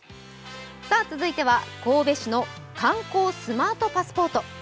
続いては神戸市の観光スマートパスポート。